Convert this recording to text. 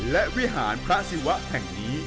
และวิหารพระศิวะแห่งนี้